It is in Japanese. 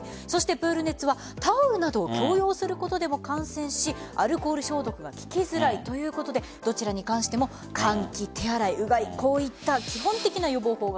プール熱は、タオルなどを共用することでも感染しアルコール消毒が効きづらいということでどちらに関しても換気、手洗い、うがいこういった基本的な予防法が。